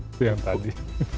itu yang tadi